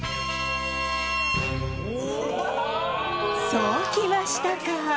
そうきましたか！